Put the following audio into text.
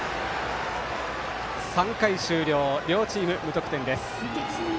３回終了、両チーム無得点です。